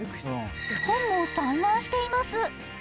本も散乱しています。